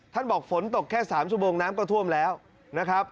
บอกฝนตกแค่๓ชั่วโมงน้ำก็ท่วมแล้วนะครับ